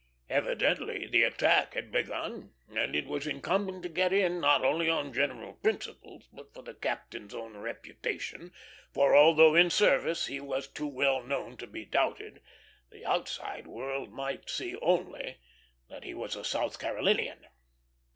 Evidently the attack had begun, and it was incumbent to get in, not only on general principles, but for the captain's own reputation; for although in service he was too well known to be doubted, the outside world might see only that he was a South Carolinian.